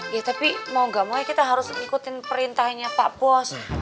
ya tapi mau gak mau ya kita harus ikutin perintahnya pak bos